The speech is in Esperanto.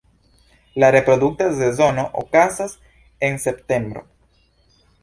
La reprodukta sezono okazas el septembro.